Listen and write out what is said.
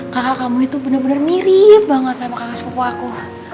kakak kamu itu bener bener mirip banget sama kakak sepupu aku